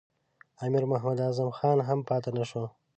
امیر محمد اعظم خان هم پاته نه شو.